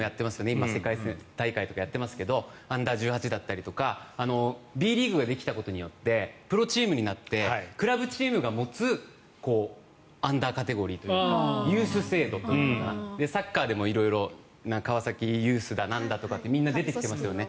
今世界大会とかやってますけどＵ−１８だったりＢリーグができたことによってプロチームになってクラブチームが持つアンダーカテゴリーユース制度とかサッカーでも色々な川崎ユースだとかなんだとかみんな出てきていますよね。